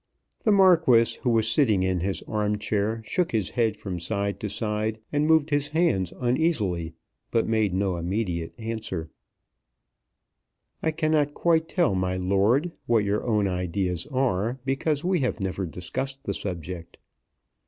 The Marquis, who was sitting in his arm chair, shook his head from side to side, and moved his hands uneasily, but made no immediate reply. "I cannot quite tell, my lord, what your own ideas are, because we have never discussed the subject."